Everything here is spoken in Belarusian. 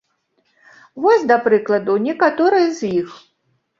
Вось, да прыкладу, некаторыя з іх.